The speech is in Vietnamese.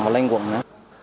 phải lên quận nữa